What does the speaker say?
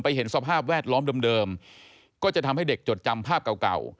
เห็นสภาพแวดล้อมเดิมก็จะทำให้เด็กจดจำภาพเก่า